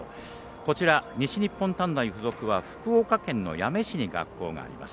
こちら、西日本短大付属は福岡県の八女市に学校があります。